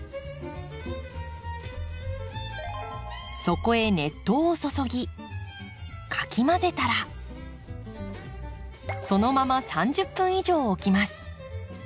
そこへ熱湯を注ぎかき混ぜたらそのまま３０分以上置きます。